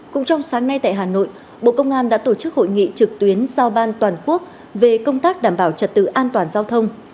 cũng trong sáng nay tại hà nội bộ công an đã tổ chức hội nghị trực tuyến giao ban toàn quốc về công tác đảm bảo trật tự an toàn giao thông